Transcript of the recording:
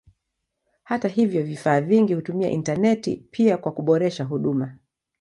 Hata hivyo vifaa vingi hutumia intaneti pia kwa kuboresha huduma.